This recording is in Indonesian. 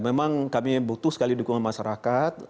memang kami butuh sekali dukungan masyarakat